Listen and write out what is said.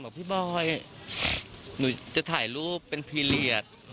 พี่บอยหนูจะถ่ายรูปเป็นพีเรียส